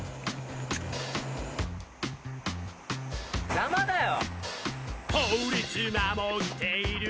邪魔だよ！